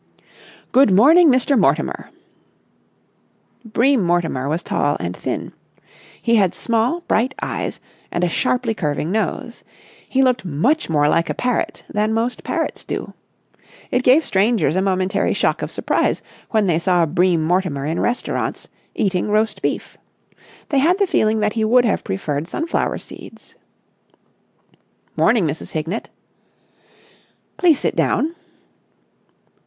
"Good morning, Mr. Mortimer." Bream Mortimer was tall and thin. He had small bright eyes and a sharply curving nose. He looked much more like a parrot than most parrots do. It gave strangers a momentary shock of surprise when they saw Bream Mortimer in restaurants, eating roast beef. They had the feeling that he would have preferred sunflower seeds. "Morning, Mrs. Hignett." "Please sit down."